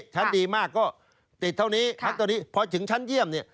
ชั้นดีมากก็ติดเท่านี้พักเท่านี้พอถึงชั้นเยี่ยมเนี่ย